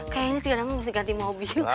kayaknya ini segalanya harus diganti mobil